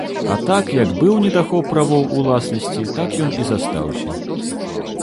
А так як быў недахоп правоў уласнасці, так ён і застаўся.